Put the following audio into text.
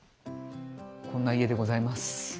こんな家でございます。